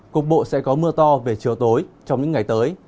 cục bộ sẽ có mưa to về chiều tối trong những ngày tới